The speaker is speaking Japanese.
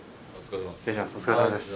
お疲れさまです。